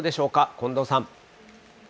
近藤さん。